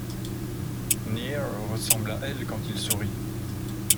Near ressemble à L quand il sourit.